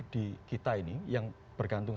di kita ini yang bergantung